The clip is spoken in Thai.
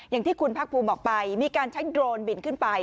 อย่างที่คุณภาคภูมิบอกไปมีการใช้โดรนบินขึ้นไป